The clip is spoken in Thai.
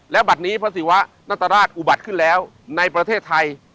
และบัตรนี้พระศิวะนัตราชอุบัติขึ้นแล้วในประเทศไทย